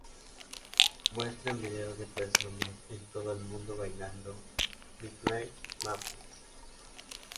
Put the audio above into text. Muestran videos de personas en todo el mundo bailando Midnight Madness.